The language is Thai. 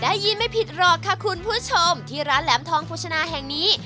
ได้ยินไม่ผิดหรอกค่ะคุณผู้ชมที่ร้านแหลมทองโภชนาแห่งนี้